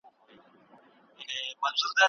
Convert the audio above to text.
ملا تړل د کورنۍ د ثبات لپاره د پلار هڅه ده.